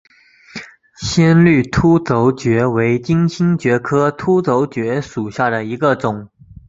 鲜绿凸轴蕨为金星蕨科凸轴蕨属下的一个种。